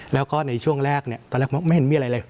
แล้วก็ในช่วงแรกตอนแรกมองไม่เห็นมีอะไรเลย